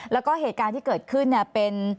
แล้วก็เหตุการณ์ที่เกิดขึ้นเนี่ยเป็น